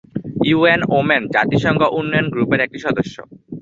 UN women জাতিসংঘ উন্নয়ন গ্রুপের একটি সদস্য।